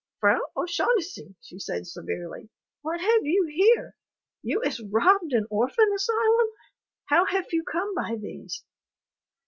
"Frau O'Shaughnessy," she said severely, "what have you here? You iss robbed an orphan asylum. How haf you come by these?"